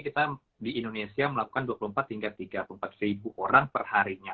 kita di indonesia melakukan dua puluh empat hingga tiga puluh empat ribu orang perharinya